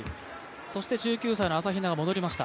１９歳の朝比奈が戻りました。